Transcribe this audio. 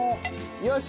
よし！